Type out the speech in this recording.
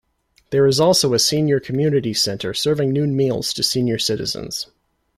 There is also a senior community center serving noon meals to senior citizens.